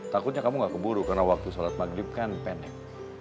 takutnya kamu gak keburu karena waktu sholat maghrib kan pendek